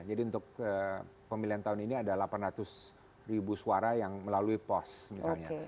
jadi untuk pemilihan tahun ini ada delapan ratus ribu suara yang melalui pos misalnya